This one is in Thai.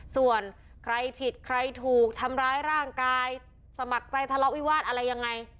ส่วนใครผิดใครถูกทำร้ายร่างกายสมัครใจทะเลาะวิวาสอะไรยังไง